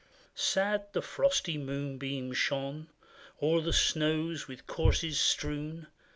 Sad the frosty moonbeam shone O'er the snows with corses strewn.